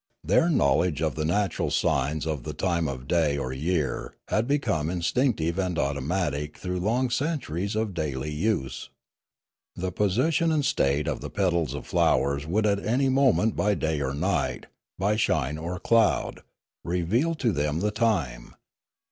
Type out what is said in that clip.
Their knowledge of the natural signs of the time of day or year had become instinctive and automatic through long centuries of daily use. The position and state of the petals of flowers would at any moment by day or night, by shine or cloud, re veal to them the time.